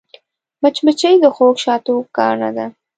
مچمچۍ د خوږ شاتو ګاڼه ده